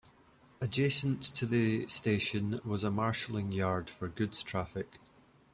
Adjacent to the station was a marshalling yard for goods traffic.